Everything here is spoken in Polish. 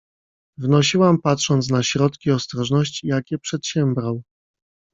"Wnosiłam patrząc na środki ostrożności, jakie przedsiębrał."